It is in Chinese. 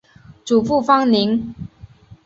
祖父方宁。